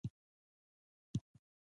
هلک د ښه اخلاقو څښتن دی.